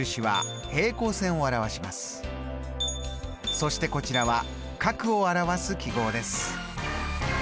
そしてこちらは角を表す記号です。